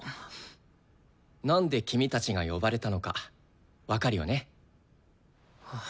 なんで君たちが呼ばれたのか分かるよね？